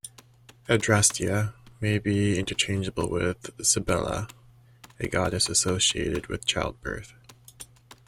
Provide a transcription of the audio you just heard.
Adrastea may be interchangeable with Cybele a goddess associated with childbirth.